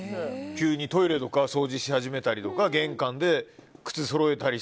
急にトイレとか掃除し始めたりとか玄関で靴揃えたり。